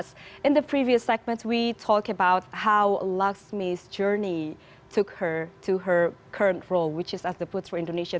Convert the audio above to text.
di segmen sebelumnya kita berbicara tentang perjalanan laksmi yang membuatnya berpikir tentang peran yang terhadapnya yaitu sebagai putri indonesia dua ribu dua puluh dua